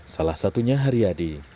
salah satunya hari yadi